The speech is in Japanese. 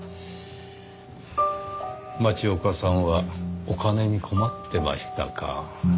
町岡さんはお金に困ってましたか。